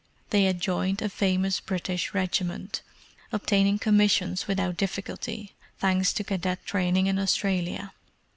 They had joined a famous British regiment, obtaining commissions without difficulty, thanks to cadet training in Australia.